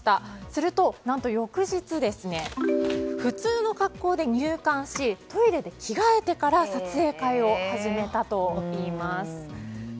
すると、翌日普通の格好で入館しトイレで着替えてから撮影会を始めたといいます。